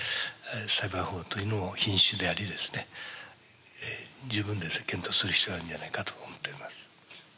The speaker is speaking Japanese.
栽培法というのを品種であり十分検討する必要あるんじゃないかと思っております。